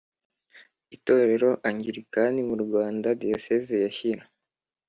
itorero rya Anglikani mu Rwanda Diyoseze ya Shyira